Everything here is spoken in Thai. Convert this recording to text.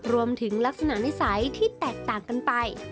รวมถึงลักษณะนิสัยที่แตกต่างกันไป